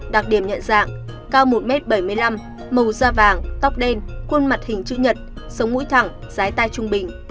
đặc điểm nhận dạng cao một m bảy mươi năm màu da vàng tóc đen khuôn mặt hình chữ nhật sống mũi thẳng giái tai trung bình